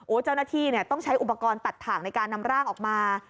เจ้าหน้าที่ต้องใช้อุปกรณ์ตัดถ่างในการนำร่างออกมา